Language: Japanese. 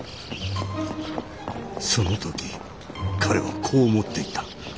その時彼はこう思っていた。